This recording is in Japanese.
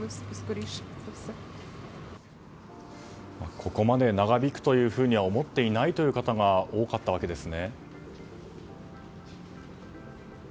ここまで長引くとは思っていないという方が多かったわけですね。